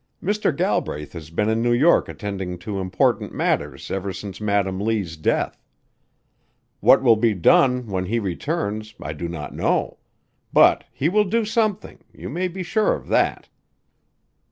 Mr. Galbraith has been in New York attending to important matters ever since Madam Lee's death. What will be done when he returns I do not know; but he will do something you may be sure of that."